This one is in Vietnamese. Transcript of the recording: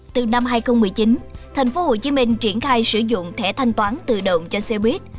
từ năm hai nghìn một mươi chín tp hcm triển khai sử dụng thẻ thanh toán tự động cho xe buýt